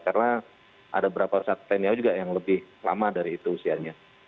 karena ada beberapa pesawat tni au juga yang lebih lama dari itu usianya